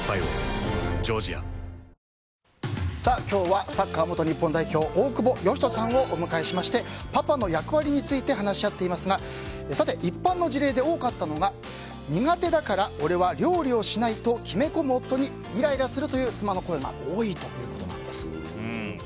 今日はサッカー元日本代表大久保嘉人さんをお迎えしましてパパの役割について話し合っていますが一般の事例で多かったのが苦手だから俺は料理をしないと決め込む夫にイライラするという妻の声が多いということなんです。